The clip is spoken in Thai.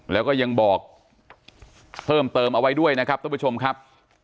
แล้วก็ยังบอกเพิ่มเติมเอาไว้ด้วยนะครับท่านผู้ชมครับ